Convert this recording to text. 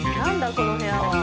この部屋は。